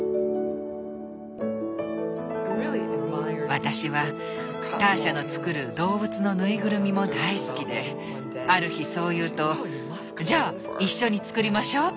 私はターシャの作る動物の縫いぐるみも大好きである日そう言うと「じゃあ一緒に作りましょう！」